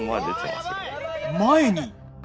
前に。